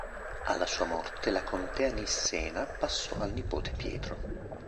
Alla sua morte la contea nissena passò al nipote Pietro.